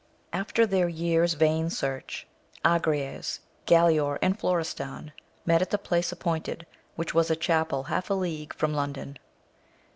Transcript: FTEK their year's vain search, Agrayes, Galaor, and Florestan, met at the place appointed, which was a chapel half a league from Lon don.